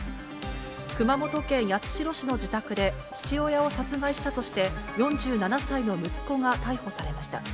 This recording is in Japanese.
熊本県八代市の自宅で、父親を殺害したとして、４７歳の息子が逮捕されました。